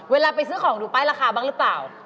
เวลาไปซื้อของดูป้ายราคาบ้างหรือเปล่า